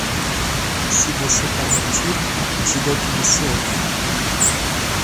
Se você quer mentir, diga o que você ouve.